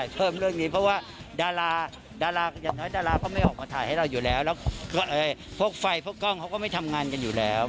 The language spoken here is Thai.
เพราะกล้องเขาก็ไม่ทำงานกันอยู่แล้ว